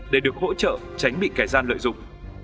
để được hỗ trợ tránh bị kẻ gian lợi dụng